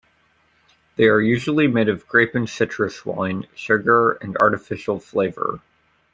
They are usually made of grape and citrus wine, sugar, and artificial flavor.